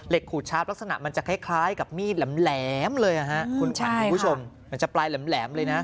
เหล็กขูดชาร์ฟลักษณะมันจะคล้ายกับมีดแหลมเลยนะครับ